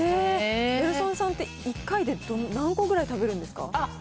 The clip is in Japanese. ギャル曽根さんって、１回で何個ぐらい食べるんですか。